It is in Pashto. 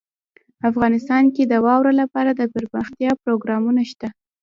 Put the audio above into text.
افغانستان کې د واوره لپاره دپرمختیا پروګرامونه شته.